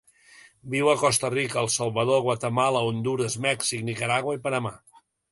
Viu a Costa Rica, El Salvador, Guatemala, Hondures, Mèxic, Nicaragua i Panamà.